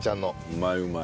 うまいうまい。